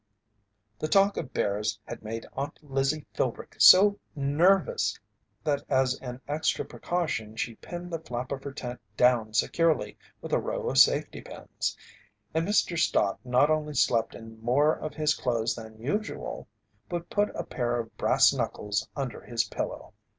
The talk of bears had made Aunt Lizzie Philbrick so nervous that as an extra precaution she pinned the flap of her tent down securely with a row of safety pins and Mr. Stott not only slept in more of his clothes than usual but put a pair of brass knuckles under his pillow.